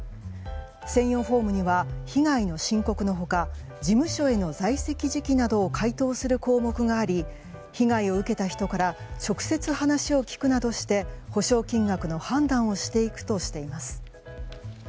専用フォームには被害の深刻の他事務所への在籍時期などを回答する項目があり被害を受けた人から直接話を聞くなどして補償金額の判断をしていくとしています。